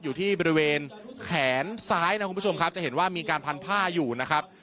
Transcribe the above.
อยู่ที่บริเวณแขนซ้ายนะคุณผู้ชมครับจะเห็นว่ามีการพันผ้าอยู่นะครับ